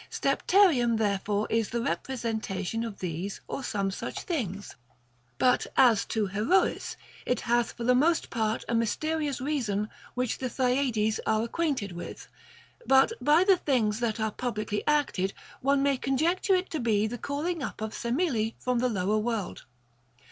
Stepterium therefore is the representation of these or some such things. But as to Herois, it hath for the most part a mysterious reason which the Thyades are acquainted with ; but by the things that are publicly acted one may conjec ture it to be the calling up of Semele from the lower world.